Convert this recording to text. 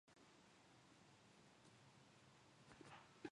モルビアン県の県都はヴァンヌである